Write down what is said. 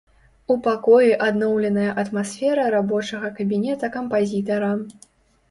У пакоі адноўленая атмасфера рабочага кабінета кампазітара.